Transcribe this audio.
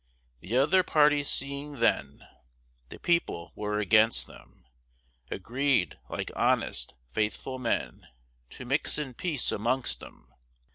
The other party seeing then The People were against them, Agreed, like honest, faithful men, To mix in peace amongst 'em.